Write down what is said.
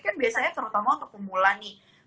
kan biasanya terutama untuk pemula nih